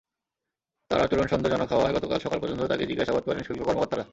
তাঁর আচরণ সন্দেহজনক হওয়ায় গতকাল সকাল পর্যন্ত তাঁকে জিজ্ঞাসাবাদ করেন শুল্ক কর্মকর্তারা।